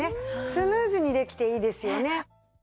スムーズにできていいですよね。